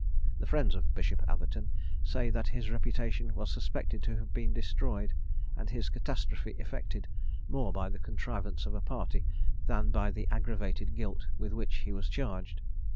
The friends of Bishop Atherton say that his reputation was suspected to have been destroyed, and his catastrophe effected, more by the contrivance of a party than by the aggravated guilt with which he was charged.